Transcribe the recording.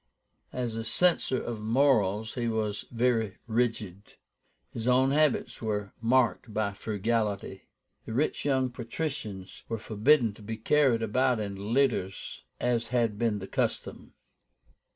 As a censor of morals he was very rigid. His own habits were marked by frugality. The rich young patricians were forbidden to be carried about in litters, as had been the custom.